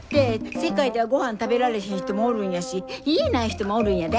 世界ではごはん食べられへん人もおるんやし家ない人もおるんやで！